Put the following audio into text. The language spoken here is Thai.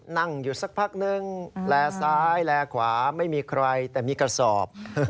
นั่งอยู่สักพักนึงแลซ้ายแลขวาไม่มีใครแต่มีกระสอบ